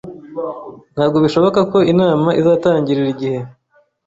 Ntabwo bishoboka ko inama izatangira igihe